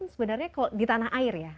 sebenarnya kalau di tanah air ya